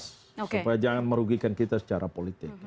supaya jangan merugikan kita secara politik